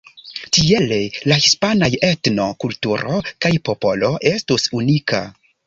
Tiele la hispanaj etno, kulturo kaj popolo estus unika.